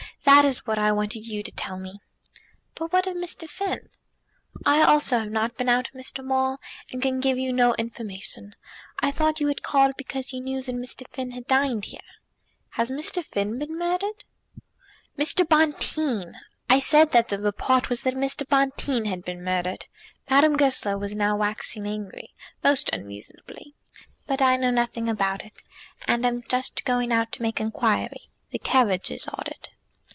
That is what I wanted you to tell me." "But what of Mr. Finn?" "I also have not been out, Mr. Maule, and can give you no information. I thought you had called because you knew that Mr. Finn had dined here." "Has Mr. Finn been murdered?" "Mr. Bonteen! I said that the report was that Mr. Bonteen had been murdered." Madame Goesler was now waxing angry, most unreasonably. "But I know nothing about it, and am just going out to make inquiry. The carriage is ordered."